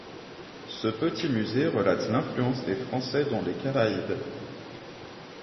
Ce petit musée relate l’influence des Français dans les Caraïbes.